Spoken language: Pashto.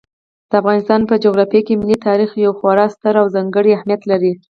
د افغانستان په جغرافیه کې ملي تاریخ یو خورا ستر او ځانګړی اهمیت لري.